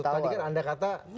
tadi kan anda kata